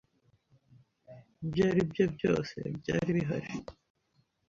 Ibyo aribyo byose byari bihari.